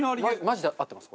マジで合ってます